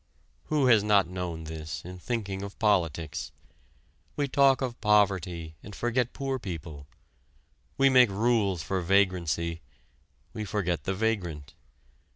Who has not known this in thinking of politics? We talk of poverty and forget poor people; we make rules for vagrancy we forget the vagrant.